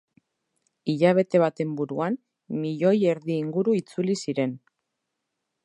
Hilabete baten buruan milioi erdi inguru itzuli ziren.